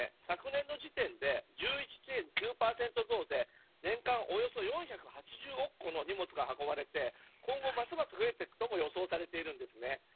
昨年の時点で１１．９％増で年間およそ４８億個の荷物が運ばれて今後、ますます増えていくと予想されています。